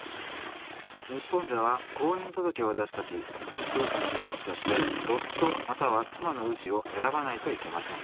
日本では婚姻届を出す時夫婦の名字として「夫または妻の氏」を選ばないといけません。